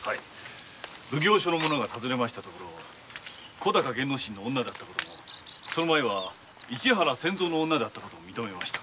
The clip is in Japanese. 奉行所の者が尋ねましたところ小高玄之進の女でありその前は市原千蔵の女であった事も認めました。